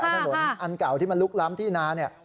แต่ถนนอันเก่าที่มันลุกล้ำที่นาน